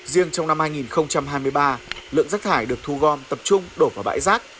riêng trong năm hai nghìn hai mươi ba lượng rác thải được thu gom tập trung đổ vào bãi rác